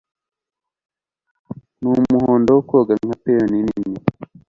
n'umuhondo wo koga nka peony nini.